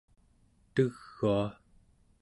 tegua